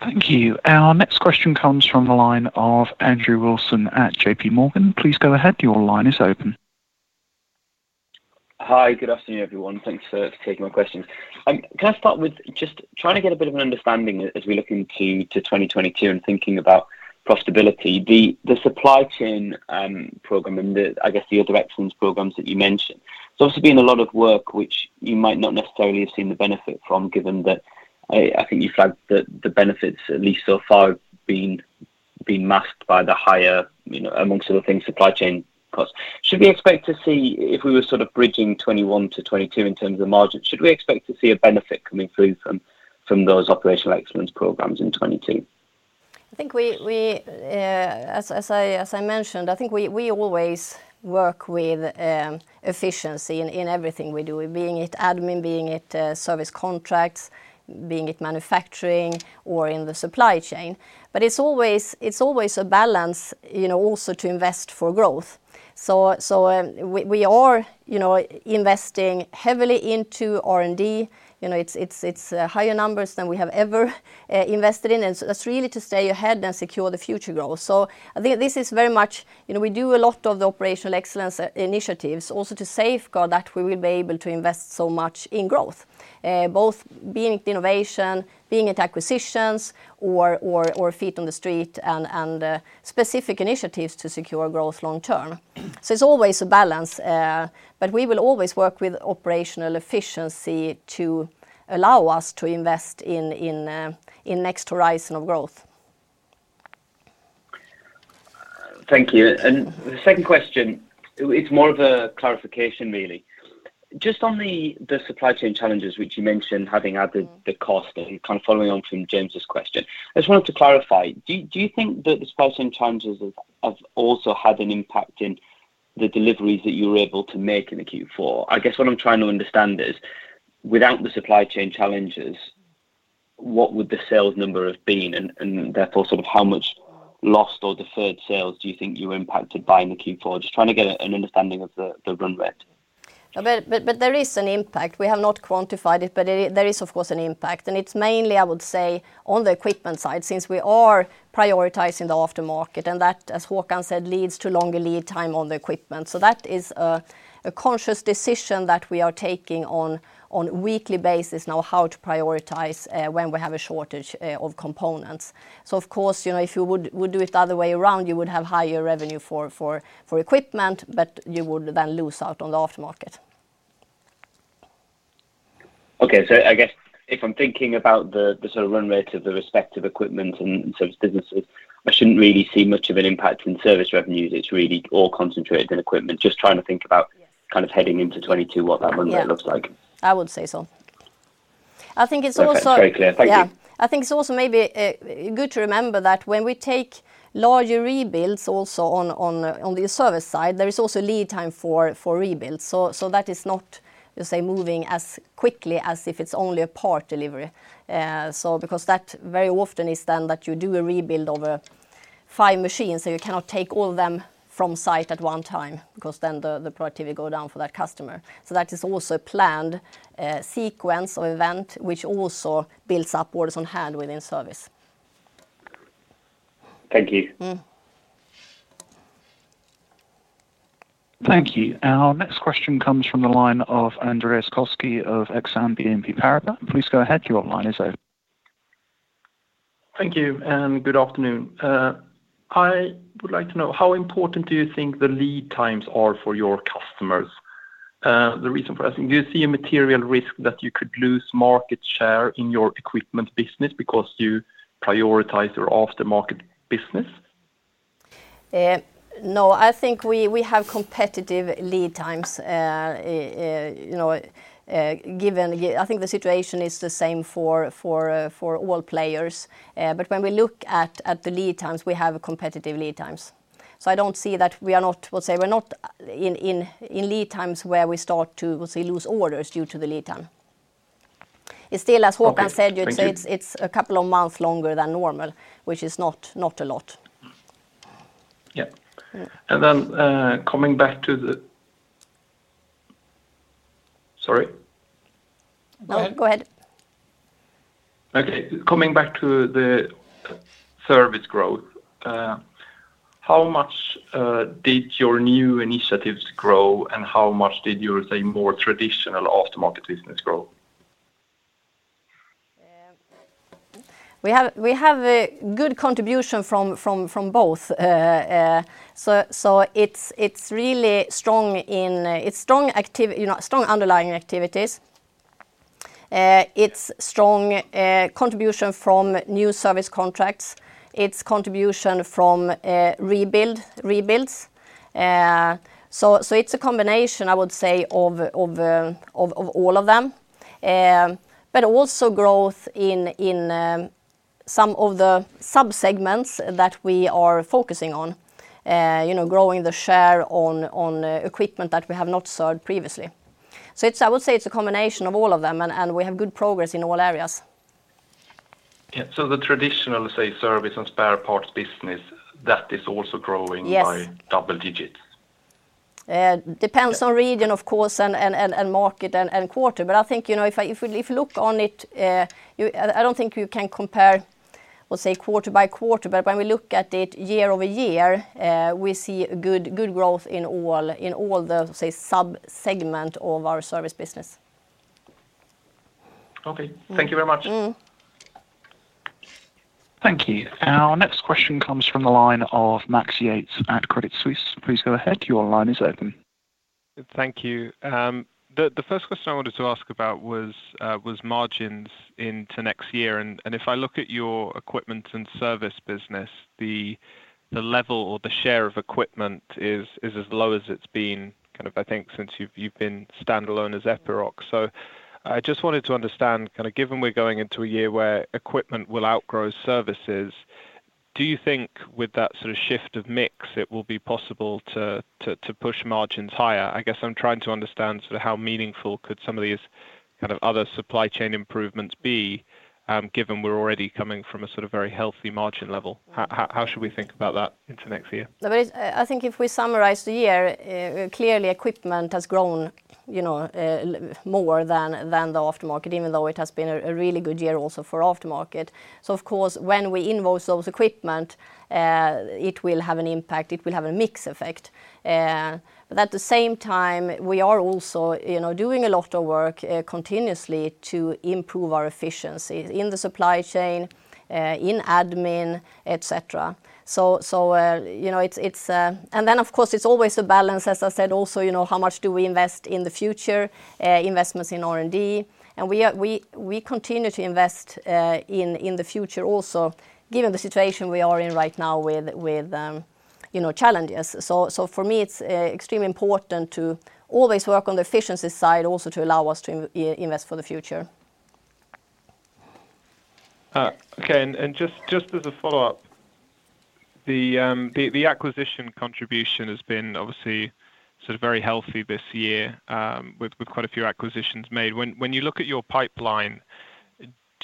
Thank you. Our next question comes from the line of Andrew Wilson at JPMorgan. Please go ahead. Your line is open. Hi. Good afternoon, everyone. Thanks for taking my questions. Can I start with just trying to get a bit of an understanding as we look into 2022 and thinking about profitability. The supply chain program and, I guess, the other excellence programs that you mentioned, there's also been a lot of work which you might not necessarily have seen the benefit from, given that, I think you flagged the benefits at least so far have been masked by the higher, you know, among other things, supply chain costs. Should we expect to see if we were sort of bridging 2021 to 2022 in terms of margins, should we expect to see a benefit coming through from those operational excellence programs in 2022? I think we as I mentioned, I think we always work with efficiency in everything we do, be it admin, be it service contracts, be it manufacturing or in the supply chain. It's always a balance, you know, also to invest for growth. We are, you know, investing heavily into R&D. You know, it's higher numbers than we have ever invested in. That's really to stay ahead and secure the future growth. I think this is very much, you know, we do a lot of the operational excellence initiatives also to safeguard that we will be able to invest so much in growth, both be it innovation, be it acquisitions or feet on the street and specific initiatives to secure growth long term. It's always a balance, but we will always work with operational efficiency to allow us to invest in next horizon of growth. Thank you. The second question, it's more of a clarification really. Just on the supply chain challenges which you mentioned, having added the cost and kind of following on from James' question. I just wanted to clarify. Do you think that the supply chain challenges have also had an impact in the deliveries that you were able to make in the Q4? I guess what I'm trying to understand is, without the supply chain challenges, what would the sales number have been and therefore, sort of how much lost or deferred sales do you think you were impacted by in the Q4? Just trying to get an understanding of the run rate. There is an impact. We have not quantified it, but there is of course an impact. It's mainly, I would say, on the equipment side, since we are prioritizing the aftermarket. That, as Håkan said, leads to longer lead time on the equipment. That is a conscious decision that we are taking on weekly basis now how to prioritize, when we have a shortage of components. Of course, you know, if you would do it the other way around, you would have higher revenue for equipment, but you would then lose out on the aftermarket. Okay. I guess if I'm thinking about the sort of run rate of the respective equipment and service businesses, I shouldn't really see much of an impact in service revenues. It's really all concentrated in equipment. Just trying to think about kind of heading into 2022, what that run rate looks like. Yeah. I would say so. I think it's also Okay. It's very clear. Thank you. Yeah. I think it's also maybe good to remember that when we take larger rebuilds also on the service side, there is also lead time for rebuild. That is not, let's say, moving as quickly as if it's only a part delivery. Because that very often is then that you do a rebuild of five machines, so you cannot take all of them from site at one time because then the productivity go down for that customer. That is also a planned sequence or event which also builds up orders on hand within service. Thank you. Mm. Thank you. Our next question comes from the line of Andreas Koski of Exane BNP Paribas. Please go ahead. Your line is open. Thank you, and good afternoon. I would like to know, how important do you think the lead times are for your customers? The reason for asking, do you see a material risk that you could lose market share in your equipment business because you prioritize your aftermarket business? No, I think we have competitive lead times. You know, given I think the situation is the same for all players. But when we look at the lead times, we have competitive lead times. I don't see that we are not. Let's say we're not in lead times where we start to, let's say, lose orders due to the lead time. It's still, as Håkan said. Okay. Thank you. It's a couple of months longer than normal, which is not a lot. Yeah. Mm. Sorry. No, go ahead. Okay. Coming back to the service growth, how much did your new initiatives grow, and how much did your, say, more traditional aftermarket business grow? We have a good contribution from both. It's really strong, you know, strong underlying activities. It's strong contribution from new service contracts. It's contribution from rebuilds. It's a combination, I would say, of all of them. Also growth in some of the sub-segments that we are focusing on. You know, growing the share on equipment that we have not served previously. I would say it's a combination of all of them, and we have good progress in all areas. Yeah. The traditional, say, service and spare parts business, that is also growing. Yes by double digits? Depends on region, of course, and market and quarter. I think, you know, if you look at it, I don't think you can compare, let's say, quarter by quarter. When we look at it year-over-year, we see good growth in all the, say, sub-segment of our service business. Okay. Thank you very much. Mm. Thank you. Our next question comes from the line of Max Yates at Morgan Stanley. Please go ahead. Your line is open. Thank you. The first question I wanted to ask about was margins into next year. If I look at your equipment and service business, the level or the share of equipment is as low as it's been kind of, I think, since you've been standalone as Epiroc. I just wanted to understand, kind of given we're going into a year where equipment will outgrow services, do you think with that sort of shift of mix, it will be possible to push margins higher? I guess I'm trying to understand sort of how meaningful could some of these kind of other supply chain improvements be, given we're already coming from a sort of very healthy margin level. How should we think about that into next year? No, I think if we summarize the year, clearly equipment has grown, you know, more than the aftermarket, even though it has been a really good year also for aftermarket. Of course, when we invoice those equipment, it will have an impact, it will have a mix effect. At the same time, we are also, you know, doing a lot of work continuously to improve our efficiency in the supply chain, in admin, etc. Then, of course, it's always a balance, as I said, also, you know, how much do we invest in the future, investments in R&D. We continue to invest in the future also, given the situation we are in right now with, you know, challenges. For me, it's extremely important to always work on the efficiency side also to allow us to invest for the future. Okay. Just as a follow-up, the acquisition contribution has been obviously sort of very healthy this year, with quite a few acquisitions made. When you look at your pipeline,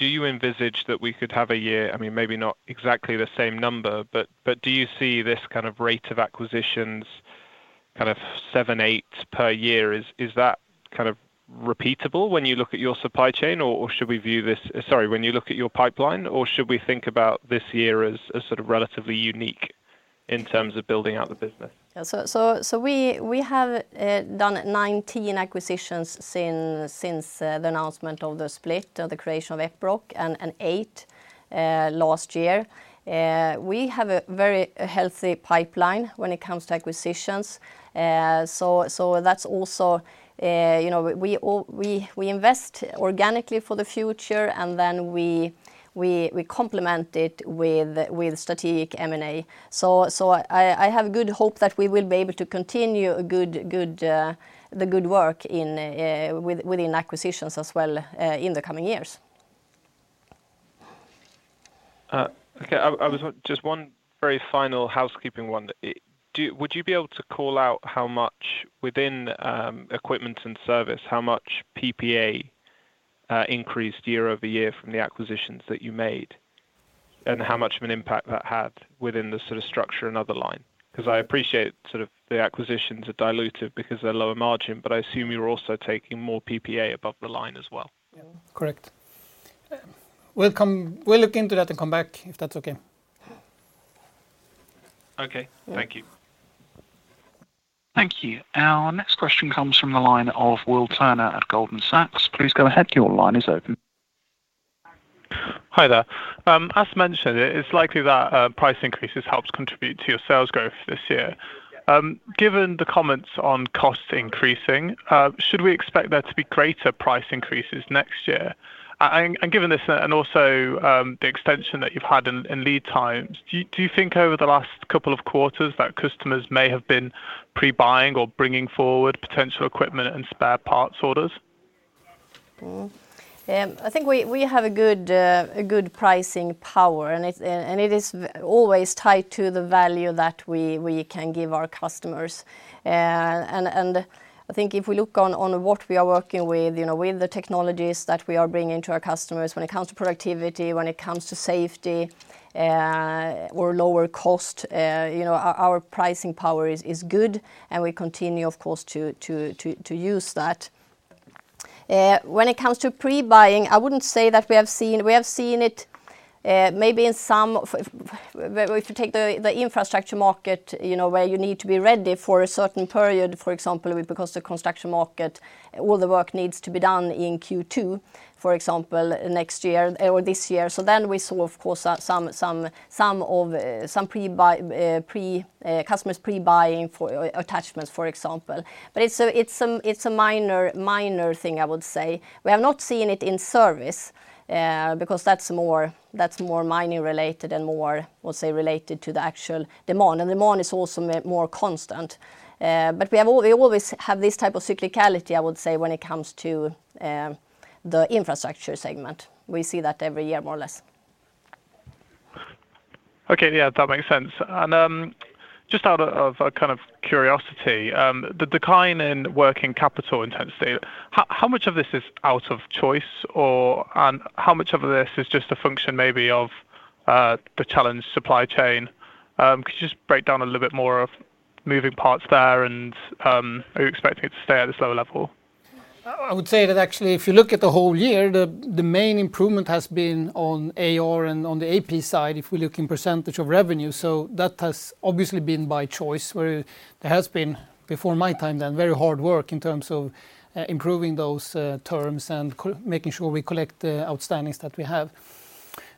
do you envisage that we could have a year, I mean, maybe not exactly the same number, but do you see this kind of rate of acquisitions, kind of seven, eight per year, is that kind of repeatable when you look at your supply chain? Or, when you look at your pipeline, should we think about this year as sort of relatively unique in terms of building out the business? Yeah. We have done 19 acquisitions since the announcement of the split or the creation of Epiroc and eight last year. We have a very healthy pipeline when it comes to acquisitions. That's also, you know, we invest organically for the future, and then we complement it with strategic M&A. I have good hope that we will be able to continue the good work within acquisitions as well in the coming years. Okay. Just one very final housekeeping one. Would you be able to call out how much within equipment and service, how much PPA increased year-over-year from the acquisitions that you made? And how much of an impact that had within the sort of structure and other line? Because I appreciate sort of the acquisitions are diluted because they're lower margin, but I assume you're also taking more PPA above the line as well. Yeah. Correct. We'll look into that and come back, if that's okay. Okay. Thank you. Thank you. Our next question comes from the line of Will Turner at Goldman Sachs. Please go ahead. Your line is open. Hi there. As mentioned, it's likely that price increases helped contribute to your sales growth this year. Given the comments on costs increasing, should we expect there to be greater price increases next year? Given this and also the extension that you've had in lead times, do you think over the last couple of quarters that customers may have been pre-buying or bringing forward potential equipment and spare parts orders? I think we have a good pricing power, and it is always tied to the value that we can give our customers. I think if we look on what we are working with, you know, with the technologies that we are bringing to our customers when it comes to productivity, when it comes to safety, or lower cost, you know, our pricing power is good, and we continue, of course, to use that. When it comes to pre-buying, I wouldn't say that we have seen. We have seen it, maybe in some... If we take the infrastructure market, you know, where you need to be ready for a certain period, for example, because the construction market, all the work needs to be done in Q2, for example, next year or this year. We saw, of course, some pre-buy, customers pre-buying for attachments, for example. It's a minor thing, I would say. We have not seen it in service, because that's more mining related and more, we'll say, related to the actual demand. Demand is also more constant. We always have this type of cyclicality, I would say, when it comes to the infrastructure segment. We see that every year, more or less. Okay. Yeah, that makes sense. Just out of a kind of curiosity, the decline in working capital intensity, how much of this is out of choice or and how much of this is just a function maybe of the challenged supply chain? Could you just break down a little bit more of the moving parts there and are you expecting it to stay at this lower level? I would say that actually, if you look at the whole year, the main improvement has been on AR and on the AP side, if we look in percentage of revenue. That has obviously been by choice, where there has been, before my time then, very hard work in terms of improving those terms and making sure we collect the outstandings that we have.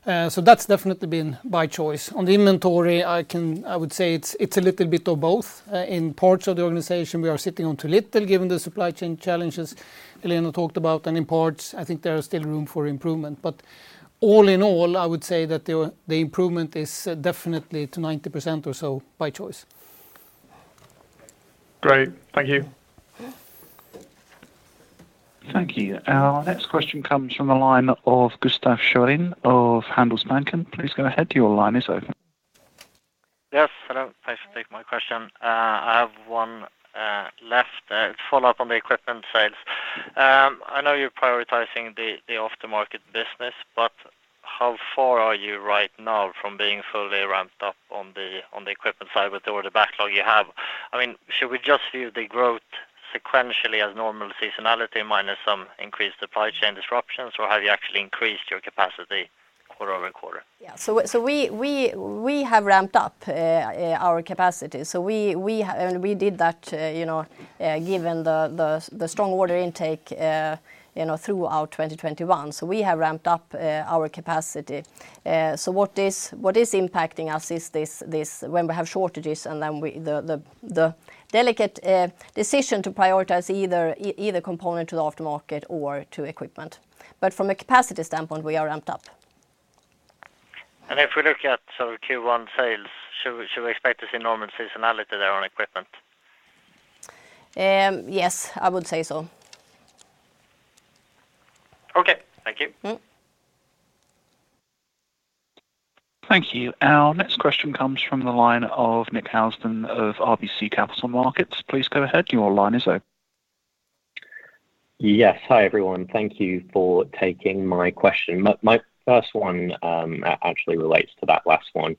That's definitely been by choice. On the inventory, I would say it's a little bit of both. In parts of the organization, we are sitting on too little, given the supply chain challenges Helena talked about. In parts, I think there is still room for improvement. All in all, I would say that the improvement is definitely to 90% or so by choice. Great. Thank you. Thank you. Our next question comes from the line of Gustaf Schwerin of Handelsbanken. Please go ahead. Your line is open. Yes. Hello. Thanks for taking my question. I have one last follow-up on the equipment sales. I know you're prioritizing the aftermarket business, but how far are you right now from being fully ramped up on the equipment side with all the backlog you have? I mean, should we just view the growth sequentially as normal seasonality minus some increased supply chain disruptions, or have you actually increased your capacity quarter over quarter? Yeah. We have ramped up our capacity. We did that given the strong order intake throughout 2021. We have ramped up our capacity. What is impacting us is this when we have shortages and then the delicate decision to prioritize either component to the aftermarket or to equipment. But from a capacity standpoint, we are ramped up. If we look at sort of Q1 sales, should we expect to see normal seasonality there on equipment? Yes, I would say so. Okay. Thank you. Mm. Thank you. Our next question comes from the line of Nick Housden of RBC Capital Markets. Please go ahead, your line is open. Yes. Hi, everyone. Thank you for taking my question. My first one actually relates to that last one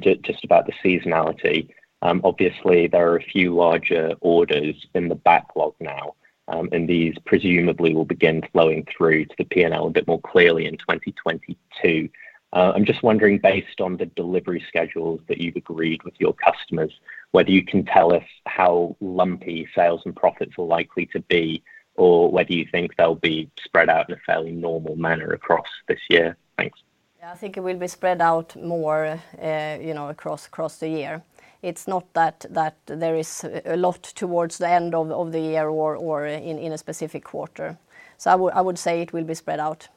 just about the seasonality. Obviously there are a few larger orders in the backlog now, and these presumably will begin flowing through to the P&L a bit more clearly in 2022. I'm just wondering, based on the delivery schedules that you've agreed with your customers, whether you can tell us how lumpy sales and profits are likely to be, or whether you think they'll be spread out in a fairly normal manner across this year? Thanks. Yeah, I think it will be spread out more, you know, across the year. It's not that there is a lot towards the end of the year or in a specific quarter. I would say it will be spread out.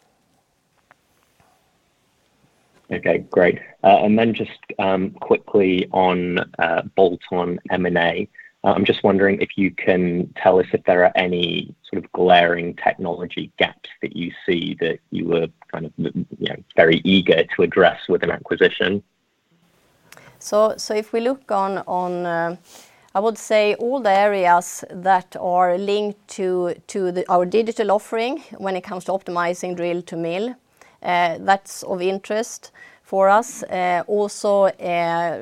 Okay, great. Just quickly on bolt-on M&A. I'm just wondering if you can tell us if there are any sort of glaring technology gaps that you see that you are kind of, you know, very eager to address with an acquisition? If we look, I would say all the areas that are linked to our digital offering when it comes to optimizing drill-to-mill, that's of interest for us. Also,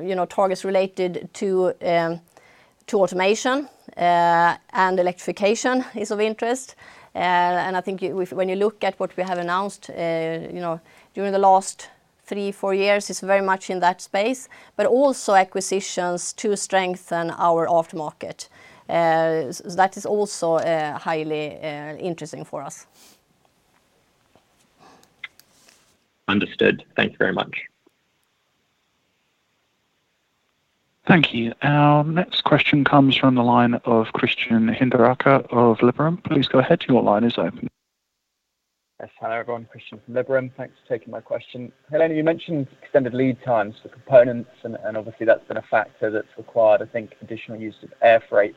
you know, targets related to automation and electrification is of interest. I think when you look at what we have announced, you know, during the last three, four years, it's very much in that space, but also acquisitions to strengthen our aftermarket. That is also highly interesting for us. Understood. Thank you very much. Thank you. Our next question comes from the line of Christian Hinderaker of Liberum. Please go ahead, your line is open. Yes. Hello, everyone. Christian from Liberum. Thanks for taking my question. Helena, you mentioned extended lead times for components, and obviously that's been a factor that's required, I think, additional use of air freight.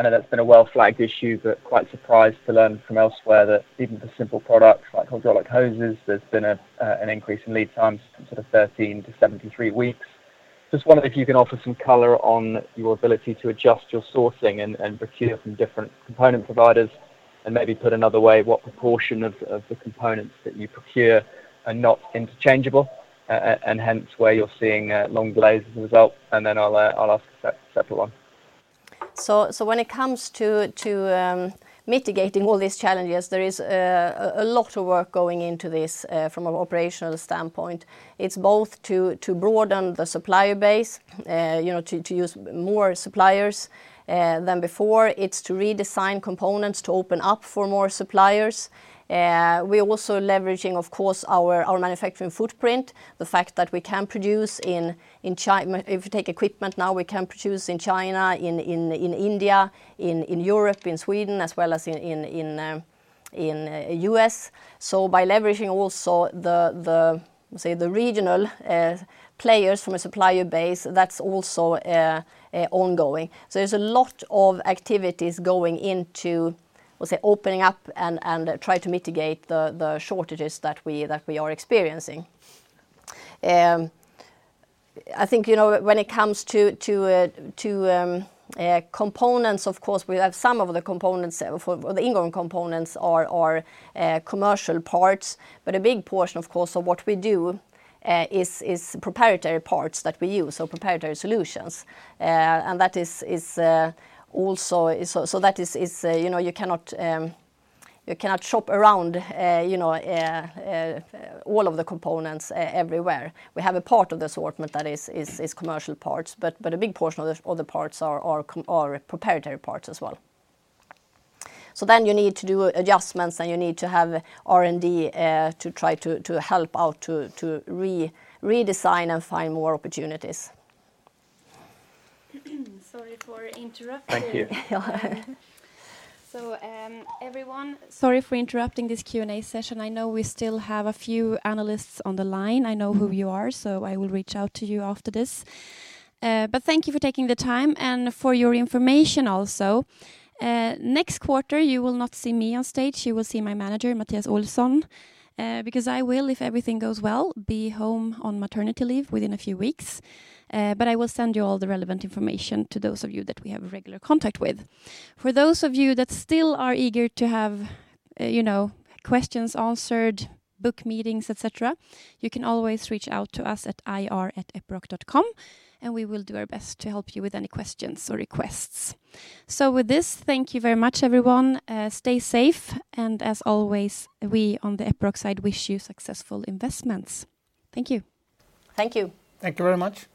I know that's been a well-flagged issue, but quite surprised to learn from elsewhere that even for simple products like hydraulic hoses, there's been an increase in lead times from sort of 13 to 73 weeks. Just wondering if you can offer some color on your ability to adjust your sourcing and procure from different component providers, and maybe put another way, what proportion of the components that you procure are not interchangeable, and hence where you're seeing long delays as a result? I'll ask a separate one. When it comes to mitigating all these challenges, there is a lot of work going into this from an operational standpoint. It's both to broaden the supplier base, you know, to use more suppliers than before. It's to redesign components to open up for more suppliers. We're also leveraging, of course, our manufacturing footprint, the fact that we can produce in China. If you take equipment now, we can produce in China, in India, in Europe, in Sweden, as well as in U.S. By leveraging also, say, the regional ongoing. There's a lot of activities going into, let's say, opening up and try to mitigate the shortages that we are experiencing. I think, you know, when it comes to components, of course, we have some of the components. The incoming components are commercial parts. A big portion, of course, of what we do, is proprietary parts that we use or proprietary solutions. That is also. That is, you know, you cannot shop around, you know, all of the components everywhere. We have a part of the assortment that is commercial parts, but a big portion of the parts are proprietary parts as well. Then you need to do adjustments, and you need to have R&D to try to help out to redesign and find more opportunities. Sorry for interrupting. Thank you. Everyone, sorry for interrupting this Q&A session. I know we still have a few analysts on the line. I know who you are, so I will reach out to you after this. Thank you for taking the time and for your information also. Next quarter, you will not see me on stage. You will see my manager, Mattias Olsson, because I will, if everything goes well, be home on maternity leave within a few weeks. I will send you all the relevant information to those of you that we have regular contact with. For those of you that still are eager to have, you know, questions answered, book meetings, et cetera, you can always reach out to us at ir@epiroc.com, and we will do our best to help you with any questions or requests. With this, thank you very much, everyone. Stay safe, and as always, we on the Epiroc side wish you successful investments. Thank you. Thank you. Thank you very much.